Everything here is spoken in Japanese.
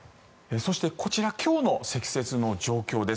そして、こちら今日の積雪の状況です。